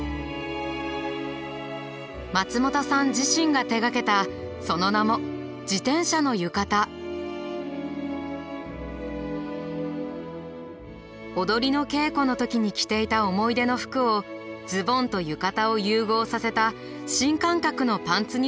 松本さん自身が手がけたその名も踊りの稽古のときに着ていた思い出の服をズボンと浴衣を融合させた新感覚のパンツに昇華させました。